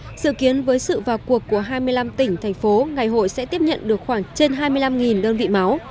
dự kiến với sự vào cuộc của hai mươi năm tỉnh thành phố ngày hội sẽ tiếp nhận được khoảng trên hai mươi năm đơn vị máu